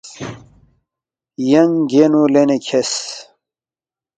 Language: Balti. ینگ گینُو لینے کھیرس